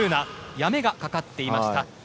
やめがかかっていました。